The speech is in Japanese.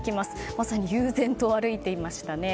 まさに悠然と歩いていましたね。